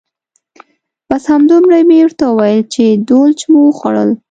بس همدومره مې ورته وویل چې دولچ مو وخوړل.